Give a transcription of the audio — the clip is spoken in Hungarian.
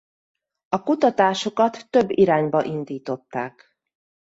A kutatásokat több irányba indították.